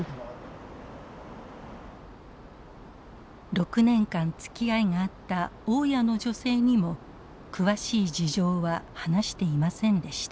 ６年間つきあいがあった大家の女性にも詳しい事情は話していませんでした。